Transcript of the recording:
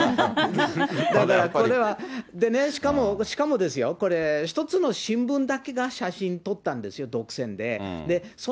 だからこれは、でね、しかも、しかもですよ、１つの新聞だけが写真撮ったんですよ、独占で。